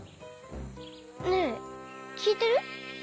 ねえきいてる？